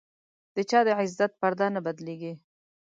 د چا د عزت پرده نه بدلېږي.